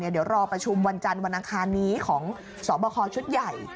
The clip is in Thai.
เดี๋ยวรอประชุมวันจันทร์วันอังคารนี้ของสอบคอชุดใหญ่